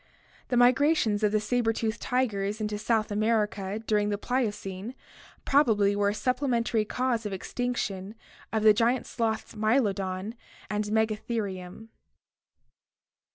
The migra tions of the saber tooth tigers into South America during the Pliocene probably were a supplementary cause of extinction of the giant sloths Mylodon and Megatherium.